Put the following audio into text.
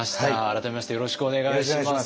改めましてよろしくお願いします。